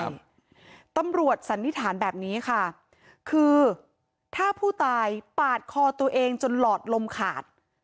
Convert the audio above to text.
ตำรวจสันนิษฐานแบบนี้ค่ะคือถ้าผู้ตายปาดคอตัวเองจนหลอดลมขาด